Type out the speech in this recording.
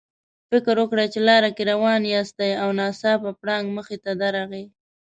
فکر وکړئ چې لار کې روان یاستئ او ناڅاپه پړانګ مخې ته درغی.